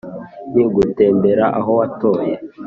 Ni ugutembera aho watoye